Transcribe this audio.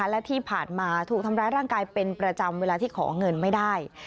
และที่ผ่านมาถูกทำร้ายร่างกายเป็นประจำเวลาที่ขอเงินไม่ได้